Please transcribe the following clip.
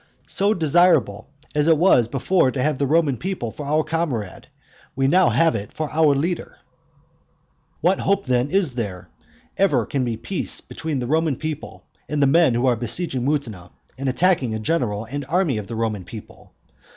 So, desirable as it was before to have the Roman people for our comrade, we now have it for our leader. What hope then is there that there ever can be peace between the Roman people and the men who are besieging Mutina and attacking a general and army of the Roman people?